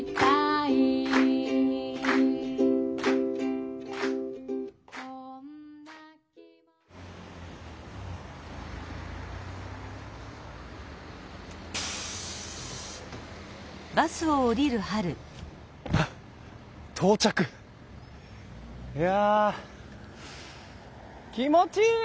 いや気持ちいい！